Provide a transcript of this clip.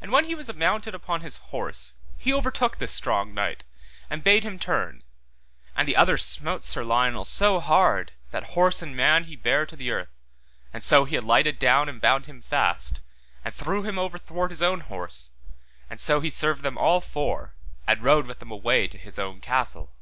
And when he was mounted upon his horse, he overtook this strong knight, and bade him turn, and the other smote Sir Lionel so hard that horse and man he bare to the earth, and so he alighted down and bound him fast, and threw him overthwart his own horse, and so he served them all four, and rode with them away to his own castle.